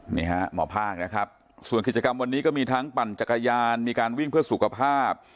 หมอภาคนะครับส่วนกิจกรรมวันนี้ก็มีทั้งปั่นจักรยานมีการวิ่งเพื่อสุขภาพ